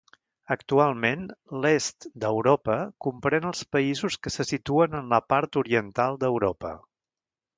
Actualment, l'est d'Europa comprèn els països que se situen en la part oriental d'Europa.